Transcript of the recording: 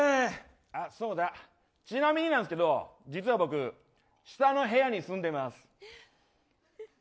ちなみになんですけど実は僕、下の部屋に住んでます。